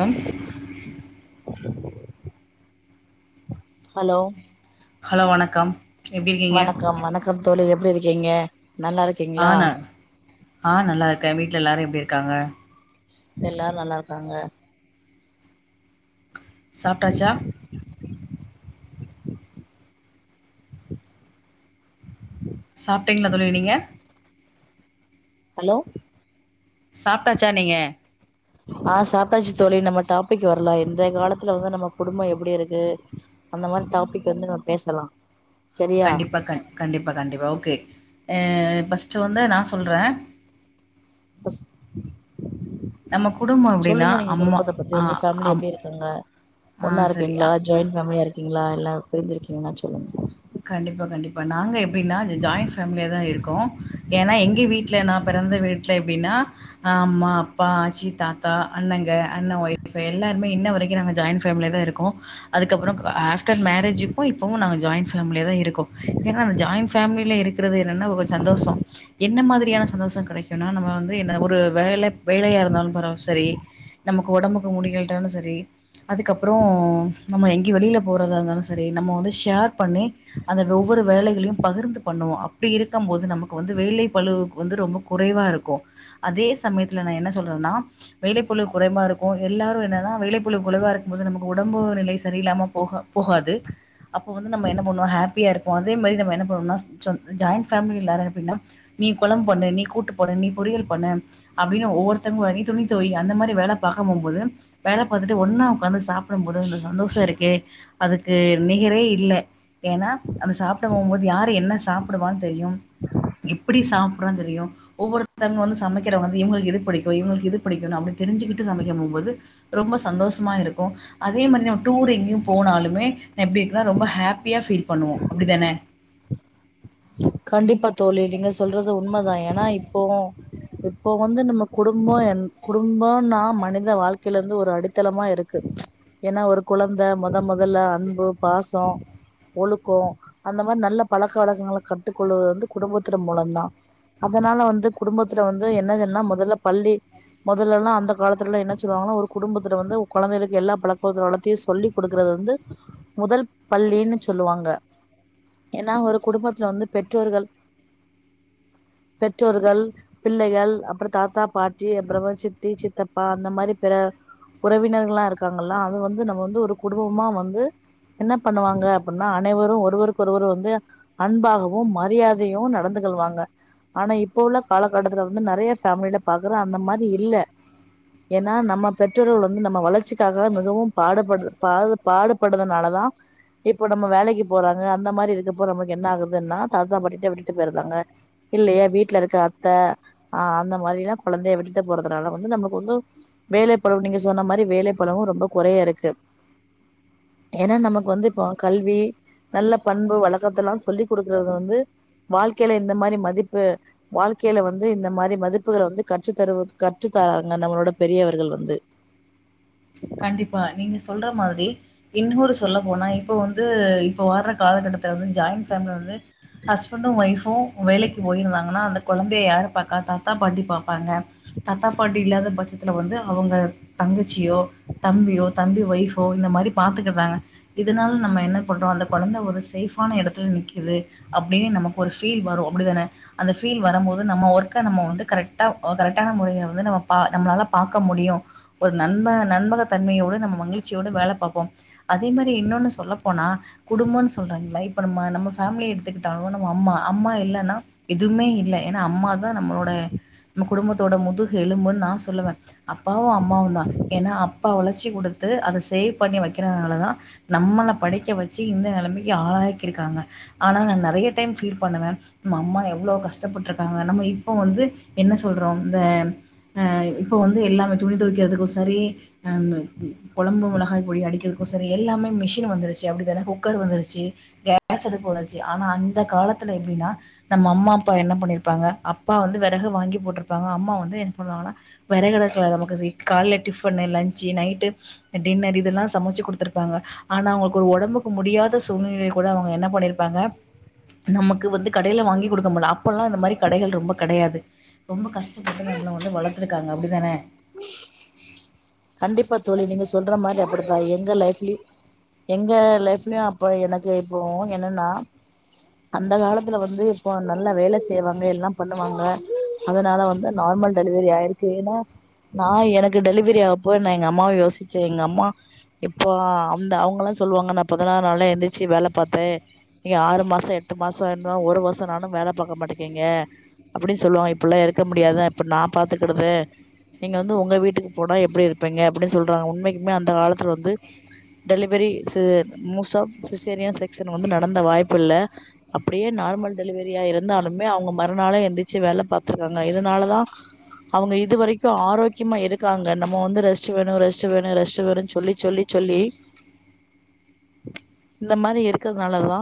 Come [inaudible] hello hello வணக்கம் எப்டி இருக்கீங்க க்கம் தோழி எப்டி இருக்கீங்க நல்லா இருக் ஆ ந ஆ நல்லா இருக்கே வீட்ல எல்லாரு எப்டி இருக்காங்க எல்லாரு நல்லா இருக்காங்க சாப்ட்டாச்சா சாப்டீங்களா தோழி நீங்க ஹலோ சாப்டாச்சா நீங்க ஆ சாப்ட்டாச்சு தோழி நம்ம டாபிக் வர் ல இந்த காலத்துல வந்து ர்லா இன்றைய வந்து நம்ம குடும்ப எப்டி இருக்கு அந்த மாறி டாபிக் வந்து நம் பேசலா சரியா கண்டிப்பா கண் கண்டிப்பா ஓகே அ ஃபர்ஸ்ட்டு வந்து நா சொல்றே பஸ் நம்ம குடும்போ எப்டின்னா சொல்லுங்க நீங்க அம்மா குடும்பத்த பத்தி ஆ உங்க ஃபேமிலி அம் எப்டி இருக்காங்க ஆ ஒன்னா சரி இருக்கீங்களா அ ஜாயின் ஃபேமிலியா இருக்கீங்களா இல்ல பிரிஞ்சிருக்கீங்களான் சொல்லுங்க கண்டிப்பா கண்டிப்பா நாங்க எப்டின்னா ஜ ஜாயிண்ட் ஃபேமிலியா தா இருக்கோ ஏன்னா எங்கி வீட்ல நா பெறந்த வீட்ல எப்டின்னா அ அம்மா அப்பா ஆச்சி தாத்தா அண்ணங்க அண்ண ஒய்ஃப்ஃபு எல்லாருமே இன்ன வரைக்கு நாங்க ஜாயின் ஃபேமிலியா தா இருக்கோ அதுக்கப்புறோ ஆஃப்டர் மேரேஜக்கு இப்பவு நாங்க ஜாயின் ஃபேமிலியா தா இருக்கோ ஏன்னா அந்த ஜாயின்ட் பேமிலில இருக்கிறது என்னன்னா ஒரு சந்தோசோ என்ன மாத்ரியான சந்தோச கெடைக்குனா நம்ம வந்து என்ன ஒரு வேல வேலையா இருந்தாலு பரவா செரி நமக்கு ஒடம்புக்கு முடியலனாலு சரி அதுக்கப்புறோ நம்ம எங்க வெளியில போறதா இருந்தாலு சரி நம்ம வந்து ஷேர் பண்ணி அந்த ஒவ்வொரு வேலைகளையு பகிர்ந்து பண்ணுவோ அப்பி அப்டி இருக்கும் போது நமக்கு வந்து வேலை பழுவு வந்து ரொம்ப குறைவா இருக்கு அதே சமயத்துல நா என்ன சொல்றேன்னா வேலைப்பழு குறைவா இருக்கு எல்லாரு என்னன்னா வேலைப்பழு குறைவா இருக்கும் போது நமக்கு உடம்பு நிலை சரியில்லாம போக போகாது அப்ப வந்து நம்ம என்ன பண்ணுவோ ஹாப்பியா இருப்போ அதே மாரி நம் என்ன பண்ணுவோனா ஜாயிண்ட் பேமிலி எல்லாரு எப்படின்னா நீ கொழம்பு பண்ணு நீ கூட்டு பண்ணு நீ பொறியல் பண்ணு அப்டின்னு ஒவ்வொருத்தங்க மாறி துணி தொவை அந்த மாறி வேலை பாக்க போம்போது வேல பாத்துட்டு ஒன்னா உக்எகாந்து சாப்பிடும் போது அந்த சந்தோஷோ இருக்கே அதுக்கு நிகரே இல்ல ஏன்னா அது சாப்பிட போகும்போது யாரு என்ன சாப்பிடுவான்னு தெரியு எப்டி சாப்புறான் தெரியு ஒவ்வொருத்தங்க வந்து சமைக்கிற வந்து இவங்களுக்கு இது புடிக்கு இவங்களுக்கு இது புடிக்கு அப்டின்னு தெரிஞ்சுக்கிட்டு சமைக்க போம்போது ரொம்ப சந்தோஷமா இருக்கு அதே மாதிரி நா டூர் எங்கேயு போனாலுமே எப்டி இருக்குனா ரொம்ப ஹாப்பி ப்பியா பீல் பண்ணுவோ அப்டிதனே கண்டிப்பா தோழி நீங்க சொல்றது உண்மைதா ஏன்னா இப்போ இப்போ வந்து நம்ம குடும்போ என் குடும்போனா மனித வாழ்க்கையில இருந்து ஒரு அடித்தளமா இருக்கு ஏன்னா ஒரு கொழந்தை மொத மொதல்ல அன்பு பாசோ ஒழுக்கோ அந்த மாரி நல்ல பழக்க வழக்கங்கள கத்துக்கொள்வது வந்து குடும்பத்துல மூலோதா அதனால வந்து குடும்பத்துல வந்து என்னதுன்னா முதல்ல பள்ளி மொதல்லல்லா அந்த காலத்துல எல்லா என்ன சொல்லுவாங்கன்னா ஒரு குடும்பத்துல வந்து கொழந்தைகளுக்கு எல்லா பழக்கவள வளத்தையு சொல்லி குடுக்குறது வந்து முதல் பள்ளினு சொல்லுவாங்க ஏன்னா ஒரு குடும்பத்த துல வந்து பெற்றோர்கள் பெற்றோர்கள் பிள்ளைகள் அப்பறோ தாத்தா பாட்டி அப்பறோ சித்தி சித்தப்பா அந்த மாரி பிர உறவினர்கள்ல்லா இருக்காங்கல்லா அது வந்து நம்ம வந்து ஒரு குடும்பமா வந்து என்ன பண்ணுவாங்க அப்டின்னா அனைவரும் ஒருவருக்கு ஒருவர் வந்து அன்பாகவு மரியாதையு நடந்துகொள்வாங்க ஆனா இப்ப உள்ள காலக்கட்டத்துல வந்து நெறைய பேஃமில பாக்குறே அந்த மாரி இல்ல ஏன்னா நம்ம பெற்றோர்கள் வந்து நம்ம வளர்ச்சிக்காக மிகவு பாடுபடு பா பாடுபடுறதுனாலதா இப்போ நம்ம வேலைக்கு போறாங்க அந்த மாரி இருக்கப்போ நமக்கு என்ன ஆகுதுன்னா தாத்தா பட்டிட்ட விட்டுட்டு போயிருக்காங்க இல்லையா வீட்ல இருக்க அத்த ஆ அந்த மாரில்லா கொழந்தைய விட்டுட்டு போறதுனால வந்து நம்மளுக்கு வந்து வேலை பழு நீங்க சொன்ன மாரி வேலை பழுவு ரொம்ப குறைய இருக்கு ஏன்னா நமக்கு வந்து இப்போ கல்வி நல்ல பண்பு வழக்கத்த எல்லா சொல்லி குடுக்குறத வந்து வாழ்க்கையில இந்த மாரி மதிப்பு வாழ்க்கையில வந்து இந்த மாரி மதிப்புகள வந்து கற்று தரு கற்று தராங்க நம்மளோட பெரியவர்கள் வந்து கண்டிப்பா நீங்க சொல்ற மாதிரி இன்னொரு சொல்ல போனா இப்ப வந்து இப்ப வர்ற காலகட்டத்துல வந்து ஜாயிண்ட் பேமிலியில வந்து ஹஸ்பண்டு ஓய்ஃபு வேலைக்கு போயிருந்தாங்கன்னா அந்த கொழந்தைய யாரு பாக்கா தாத்தா பாட்டி பாப்பாங்க தாத்தா பாட்டி இல்லாத பட்சத்தில வந்து அவங்க தங்கச்சியோ தம்பியோ தம்பி ஒய்ப்போ இந்த மாரி பாத்துக்குறாங்க இதனால நம்ம என்ன பண்றோ அந்த கொழந்தை ஒரு சேஃப்பான எடத்துல நிக்குது அப்டின்னு நமக்கு ஒரு ஃபீல் வரு அப்டி தனே அந்த ஃபீல் வரும்போது நம்ம ஒர்க்க நம்ம கரெக்டா கரெக்டான முறையில வந்து நம்ம நம்மளால பாக்க முடியு ஒரு நண்ப நண்பக தன்மையோடு நம்ம மகிழ்ச்சியோடு வேல பாப்போம் அதே மாரி இன்னொன்னு சொல்ல போனா குடும்போன்னு சொல்றாங்கிள்ள இப்ப நம்ம நம்ம பேம்லி எடுத்துக்கிட்டாலு நம்ம அம்மா அம்மா இல்லன்னா எதுமே இல்ல ஏன்னா அம்மாதா நம்மளோட நம்ம குடும்பத்தோட முதுகு எலும்புன்னு நா சொல்லுவ அப்பாவு அம்மாவுந்தா ஏன்னா அப் அப்பா ஒழச்சி குடுத்து அத சேவ் பண்ணி வெக்கறனாலதா நம்மள படிக்க வெச்சு இந்த நெலமைக்கு ஆளாக்கிருக்காங்க ஆனா நா நெறைய டைம் பீல் பண்ணுவ நம்ம அம்மா எவ்ளோ கஷ்டப்பட்டுருக்காங்க நம்ம இப்போ வந்து என்ன சொல்றோ இந்த அ இப்போ வந்து எல்லாமே துணி தொவைக்கறதுக்கு சரி அ கொழம்பு மொளகாய் பொடி அடிக்கறக்கு சரி எல்லாமே மிஷினு வந்துருச்சு அப்டிதானே குக்கர் வந்துருச்சி கேஸ் அடுப்பு வந்ருந்துசு ஆனா அந்த காலத்துல எப்டின்னா நம்ம அம்மா அப்பா என்ன பண்ணிருப்பாங்க அப்பா வந்து வெறகு வாங்கி போட்ருப்பாங்க அம்மா வந்து என் பண்ணுவாங்கன்னா வெரகடக்கல நமக்கு சேக் கால்ல டிஃபன்னு லஞ்சு நைட்டு டின்னர் இதெல்லா சமச்சு குடுத்துருப்பாங்க ஆனா அவுங்களுக்கு ஒரு ஒடம்புக்கு முடியாத சூழ்நிலல கூட அவுங்க என்ன பண்ணிருப்பாங்க நமக்கு வந்து கடைல வாங்கி குடுக்க மாட்ட அப்பல்லா இந்த மாரி கடைகள் ரொம்ப கெடையாது ரொம்ப கஷ்டப்பட்டு நம்மள வந்து வளர்த்துருக்காங்க கண்டிப்பா தோழி நீங்க சொல்ற மாரி அப்டிதா எங்க லைப்லயு எங்க லைஃப்லயு அப்ப எனக்கு இப்போ என்னன்னா அந்த காலத்துல வந்து இப்போ நல்லா வேல செய்வாங்க எல்லா பண்ணுவாங்க அதனால வந்து நார்மல் டெலிவரி ஆயிருக்கு ஏன்னா நா எனக்கு டெலிவரி ஆ ப்போ நா எங்க அம்மாவ யோசிச்ச எங்க அம்மா இப்போ அந்த அவுங்கல்லா சொல்லுவாங்க நா பதினாறு நாளே எந்திருச்சு வேல பாத்தே நீங்க ஆறு மாசோ எட்டு மாசோ இருந்தா ஒரு வருஷோநாலு வேல பாக்க மாட்டேக்கீங்க அப்டி சொல்லுவாங்க இப்டில்லா இருக்க முடியாது இப்ப நா பாத்துக்கடுத நீங்க வந்து உங்க வீட்டுக்கு போனா எப்டி இருப்பீங்க அப்டி சொல்றாங்க உண்மைக்குமே அந்த காலத்துல வந்து டெலிவரி ஸ்சு மோஸ்ஆ சிசேரியன் செக்சன் வந்து நடந்த வாய்ப்பு இல்ல அப்டியே நார்மல் டெலிவரியா இருந்தாலுமே அவுங்க மறுநாளே எந்திருச்சு வேல பாத்துருக்காங்க இதனாலதா அவுங்க இது வரைக்கு ஆரோக்கியமா இருக்காங்க நம்ம வந்து ரெஸ் ஸ்டு வேணு ரெஸ்டு வேணு ரெஸ்டு வேணுன் சொல்லி சொல்லி சொல்லி இந்த மாரி இருக்கறதுனாலதா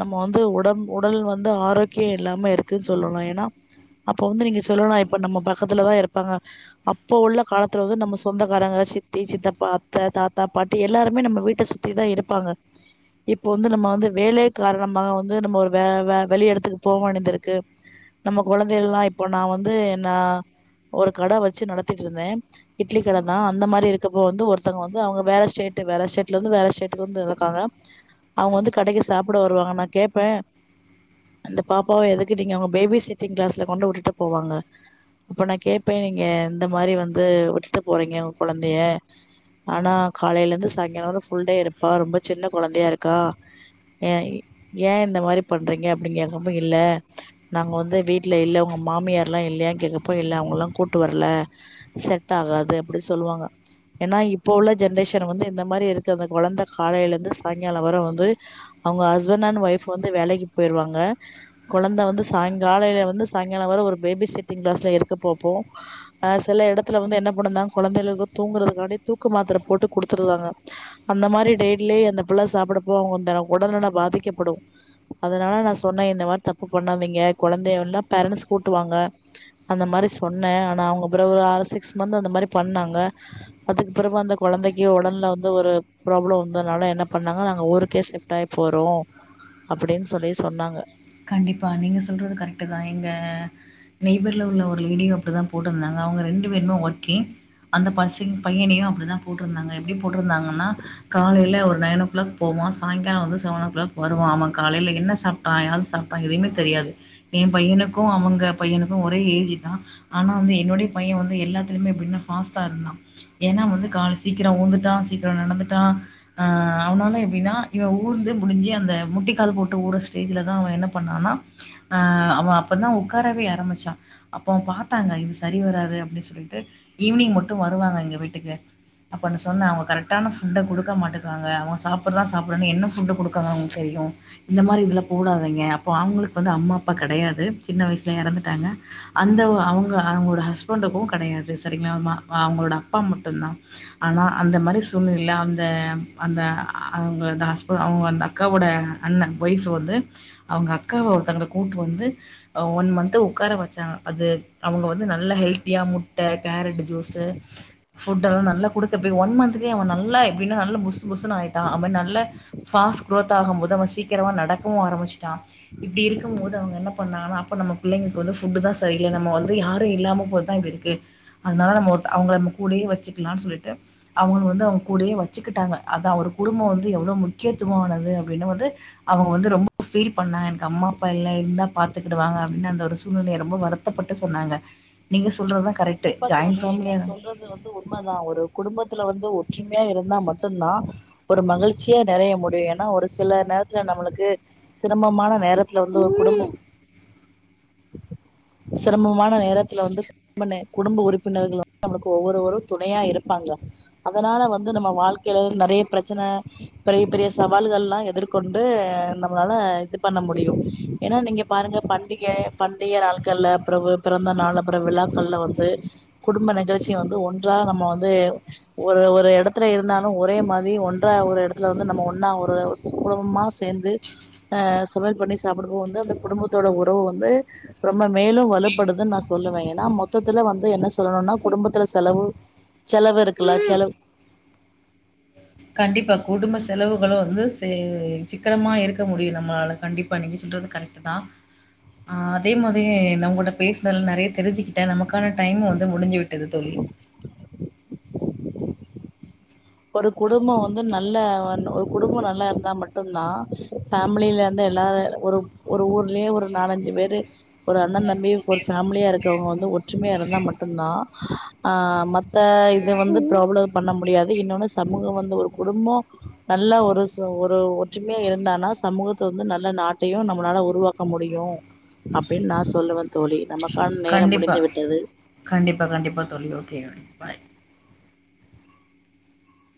நம்ம வந்து உடம் உடல் வந்து ஆரோக்யோ இல்லாம இருக்குன் சொல்லலா ஏன்னா அப்போ வந்து நீங்க சொல்லலா இப்ப நம்ம பக்கத்துலதா இருப்பாங்க அப்போ உள்ள காலத்துல வந்து நம்ம சொந்தக்காரங்க சித்தி சித்தப்பா அத்த தாத்தா பாட்டி எல்லாருமே நம்ம வீட்ட சுத்திதா இருப்பாங்க இப்போ வந்து நம்ம வந்து வேலே காரணமாக வந்து நம்மோ ஒரு வே வே வெளி எடத்துக்கு போவேண்டிதிருக்கு நம்ம கொழந்தைகள்ல்லா இப்போ நா வந்து என்ன ஒரு கட வச்சு நடத்திட்ருந்தே இப் ட்டில்க்கெழம அந்த மாரி இருக்கப்ப வந்து ஒருத்தங்க வந்து அவுங்க வேற ஸ்டேடு வேற ஸ்டேட்ல இருந்து வேற ஸ்டேட்டுக்கு வந்து இருக்காங்க அவுங்க வந்து கடைக்கு சாப்புட வருவாங்க நா கேப்பே அந்த பாப்பாவ எதுக்கு நீங்க அவுங்க பேபி சிட்டிங் கிளாஸ்ல கொண்டு விட்டுட்டு போவாங்க அப்போ நா கேப்பே நீங்க எந்த மாரி வந்து விட்டுட்டு போறீங்க உங்க கொழந்தைய ஆனா காலைல இருந்து சாய்ங்காளோ வர ஃபுல் டே இருப்பா ரொம்ப சின்ன கொழந்தையா இருக்கா ஏ ஏன் இந்த மாரி பண்றீங்க அப்டின் கேக்கப்போ இல்ல நாங்க வந்து வீட்ல இல்ல உங்க மாமியார்லா இல்லயா கேக்கப்ப இல்ல அவுங்கல்லா கூட்டு வரல செட் ஆகாகது அப்டி சொல்லுவாங்கோ ஏன்னா இப்ப உள்ள ஜென்ரேஷன் வந்து இந்த மாரி இருக்கு அந்த கொழந்த காலைல இருந்து சாயங்காலம் வர வந்து அவுங்க ஹஸ்பண்ட் அண்ட் ஒய்ஃப் வந்து வேலைக்கு போயிருவாங்க கொழந்த வந்து சாயங்கால வந்து சாயங்கால வர ஒரு பேபி செட்டிங் கிளாஸ்ல இருக்க போப்போ அஹ் சில இடத்துல வந்து என்ன பண்ணிருந்தாங்க கொழந்தைகளுக்கு தூங்குறதுக்காண்டி தூக்கு மாத்தர போட்டு குடுத்துருந்தாங்க அந்த மாரி டெட்லயே அந்த புள்ள சாப்புடறப்போ அவுங்கந்த உடல் நா பாதிக்கப்படு அதனால நா சொன்னே இந்த மாரி தப்பு பண்ணாதீங்க கொழந்தையே வேன பேரண்ட்ஸ் கூப்பட்டுவாங்க அந்த மாரி சொன்னே ஆனா அவுங்க அப்பறோ ஒரு ஆறு சிக்ஸ் மந்த் அந்த மாரி பண்ணாங்க அதுக்குப்பறமா அந்த கொழந்தைக்கு உடல்ல வந்து ஒரு ப்ராப்ள வந்ததுனால என்ன பண்ணாங்க நாங்க ஊருக்கே சிப்ட் ஆகி போறோ அப்டின்னு சொல்லி சொன்னாங்க கண்டிப்பா நீங்க சொல்றது கரெக்ட் தா எங்க நெய்பர்ல உள்ள ஒரு லேடிய அப்டி தா போட்டிருந்தாங்க அவுங்க ரெண்டு பேரும்ம ஒர்கிங் அந்த பச பையணியு அப்டிதா போட்டிருந்தாங்க எப்டி போட்டிருந்தாங்கன்னா காலல ஒரு நைன் ஓ கிளாக் போவா சாயங்கால செவன் ஓ கிளாக் வருவா அவன் காலைல என்ன சாப்ட்டா யாது சாப்ட்டா எதுமே தெரியாது என் பையனுக்கு அவங்க பையனுக்கு ஒரே ஏஜ் தா ஆனா வந்து என்னுடைய பையன் வந்து எல்லாத்துலையுமே எப்டின்னா ஃபஸ்டா இருந்தா ஏன்னா வந்து கால் சீக்கிர ஊந்துட்டா சீக்கிர நடந்துட்டா ஆஹ் அவனால எப்டின்னா இவன் ஊர்ந்து முடிஞ்சு அந்த முட்டிக்கால் போட்டு ஊற ஸ்டேஜ்ல தா அவன் என்ன என்ன பண்ணனா ஆஹ் அவன் அப்பதா உட்காரவே ஆரம்பிச்சா அப்ப பாத்தாங்க இது சரி வராது அப்டின்னு சொல்லிட்டு ஈவினிங் மட்டு வருவாங்க எங்க வீட்டுக்கு அப்போனு சொன்னன் அவங்க கரெக்டான ஃபுட்ட கொடுக்க மாட்டேங்காங்க அவங்க சாப்புறா சாப்புறான்னு என்ன ஃபுட்ட கொடுக்காங்க அவங்களுக்கு தெரியு இந்த மாரி இதுல போடாதீங்க அப்போ அவங்களுக்கு வந்து அம்மா அப்பா கெடையாது சின்ன வயசுல இறந்துட்டாங்க அந்த அவங்க அவங்களோட ஹஸ்பண்டுக்கு கெடையாது சேரிங்களா அவங்களோட அப்பா மட்டு தா ஆனா அந்த மாரி சூழ்நிலை அந்த அந்த அவங்க அ ஹஸ்பண் அவங்க அந்த அக்காவோட அண்ணன் ஒய்ஃப் வந்து அவங்க அக்காவ ஒருத்தங்கள கூப்டு வந்து ஒன் மந்த்து உட்கார வச்சாங்க அது அவங்க வந்து நல்லா ஹெல்த்தியா முட்டை கேரட் ஜூஸு ஃபுட்டெல்லா நல்லா குடுத்த ம்ம் ஒன் மந்த்லய அவன் நல்ல எப்டினா நல்ல புஸ் புசன ஆயிட்டா அவன்‌ நல்ல குரோத் ஆகும் போது அவ சீக்கிரமா நடக்கவு ஆரமிச்சிட்டா இப்டி இருக்குபோது அவங்க என்ன பண்ணாங்கா அப்போ நம்ம பிள்ளைங்களுக்கு வந்து ஃபுட்டு தா சரியில்லை நம்ம வந்து யாரு இல்லாம போதுதா இப்டி இருக்கு அதனால நம்ம ஒரு அவங்க நம்ம கூடயே வச்சுக்கலாம்னு சொல்லிட்டு அவங்க வந்து அவங்க கூடயே வச்சுக்கிட்டாங்க அதா அவர் குடும்பம் வந்து எவ்ளோ முக்கியத்துவம்னாது அப்டின்னு வந்து அவங்க வந்து ரொம்ப ஃபீல் பண்ணாங்க எனக்கு அம்மா அப்பா இல்ல இருந்தா பாத்துக்கிடுவாங்க அப்டின்னு அந்த ஒரு சூழ்நிலை ரொம்ப வருத்தப்பட்டு சொன்னாங்க நீங்க சொல்றதா கண்டிப்பா தோழி நீங்க சொல்றது வந்து உண்மா தா ஒரு குடும்பத்துல வந்து ஒற்றுமையா இருந்தா மட்டுதா ஒரு மகிழ்ச்சியா நெறைய முடியு ஏன்னா ஒரு சில நேரத்துல நம்மளுக்கு சிரமமான நேரத்துல வந்து கொடுக்கு சிரமமான நேரத்துல வந்து நம்ம குடும்ப உறுப்பினர்கள் வந்து நம்மளுக்கு ஒவ்வொருவரு துணையா இருப்பாங்க அதனால வந்து நம்ம வாழ்க்கையில நெறைய பிரச்சனை பெரிய பெரிய சவால்கள் எல்லா எதிர்கொண்டு நம்மளால இது பண்ண முடியு ஏன்னா நீங்கள் பாருங்க பண்டிகை பண்டிகை நாட்கள்ல அப்பறோபிறவு பிறந்த நாள் அப்றோவிழா சொல்ல வந்து குடும்ப நிகழ்ச்சி வந்து ஒன்றா நம்ம வந்து ஒரு ஒரு எடத்துல இருந்தாலு ஒரே மாரி ஒன்றா ஒரு இடத்துல வந்து நம்ம ஒன்னா ஒரு குடும்பமா சேர்ந்து அஹ் சமயல் பண்ணி சாப்பிடுபோது வந்து அந்த குடும்பத்தோட உறவு வந்து ரொம்ப மேலு வலுப்படுதுன்னு நா சொல்லுவே ஏன்னா மொத் மொத்தத்துல வந்து என்ன சொல்லணுன்னா குடும்பத்துல செலவு செலவு இருக்குல்ல செலவு கண்டிப்பா குடும்ப செலவுகளு வந்து செ சிக்கனமா இருக்க முடியு நம்மளால கண்டிப்பா நீங்க சொல்றது கரெக்ட் ட்டுதா ஆ அதே மாதிரி நா உங்கட்ட பேசுனதுல்ல நெறைய தெரிஞ்சுக்கிட்டே நமக்கான டைம் வந்து முடிஞ்சு விட்டது தோழி ஒரு குடும்பம் வந்து நல்ல வன் ஒரு குடும்போ நல்லா இருந்தா மட்டுந்தா ஃபேமிலில இருந்து எல்லாரு ஒரு ஒரு ஊர்லேயே ஒரு நாலஞ்சு பேரு ஒரு அண்ண தம்பி ஒரு ஃபேமிலியா இருக்கவுங்க வந்து ஒற்றுமையா இருந்தா மட்டுந்தா ஆ மத் த்த இது வந்து ப்ராப்ளோ பண்ண முடியாது இன்னொன்னு சமூகோ வந்து ஒரு குடும்போ நல்ல ஒரு ஒரு ஒற்றுமையா இருந்தானா சமூகத் த்து வந்து நல்ல நாட்டையு நம்மளால உருவாக்க முடியு அப்டின் நா சொல்ல வந் தோழி நமக்கான நேரம் முடிந்து கண்டிப்பா. விட்டது கண்டிப்பா கண்டிப்பா தோழி ஓகே ஃபாய்